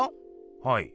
はい。